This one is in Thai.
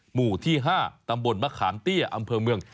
หมู่ที่๕ตำบลมะขามเตี้ยอำเภอเมือง